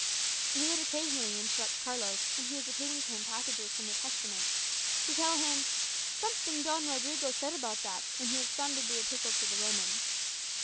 He would occasionally interrupt Carlos, when he was repeating to him passages from the Testament, to tell him "something Don Rodrigo said about that, when he expounded the Epistle to the Romans."